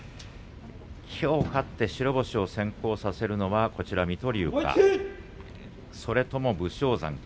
きょう勝って白星を先行させるのは水戸龍かそれとも武将山か。